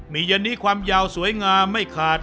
มีเย็นนี้ความยาวสวยงามไม่ขาด